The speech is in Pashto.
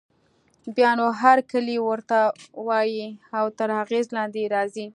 بيا نو هرکلی ورته وايي او تر اغېز لاندې يې راځي.